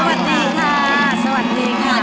สวัสดีค่ะสวัสดีค่ะ